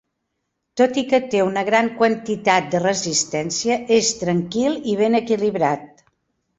Tot i que té una gran quantitat de resistència, és tranquil i ben equilibrat.